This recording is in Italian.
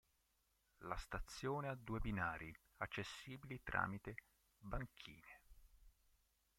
La stazione ha due binari accessibili tramite banchine.